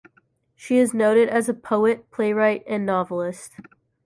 She is noted as a poet, playwright, and novelist.